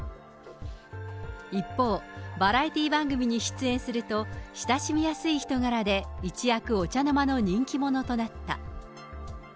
一方、バラエティー番組に出演すると、親しみやすい人柄で、一躍お茶の間の人気者となった。